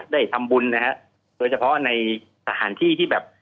ได้ทำบุญนะฮะโดยเฉพาะในสถานที่ที่แบบ